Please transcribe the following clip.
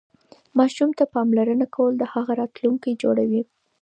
ماسوم ته پاملرنه کول د هغه راتلونکی جوړوي.